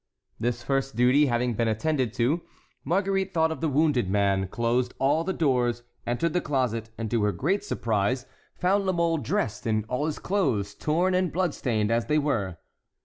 This first duty having been attended to, Marguerite thought of the wounded man, closed all the doors, entered the closet, and, to her great surprise, found La Mole dressed in all his clothes, torn and blood stained as they were.